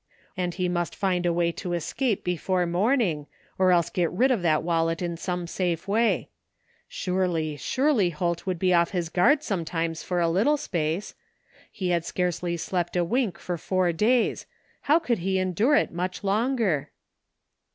And he must find a way to escape before morning, or else get rid of that wallet in some safe way. Surely, surely Holt would be off his guard sometimes for a little space. He had scarcely slept a wink for four days; how could he endure it much longer?